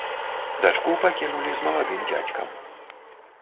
Дачку пакінулі з маладым дзядзькам.